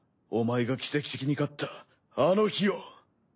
お前が奇跡的に勝ったあの日を。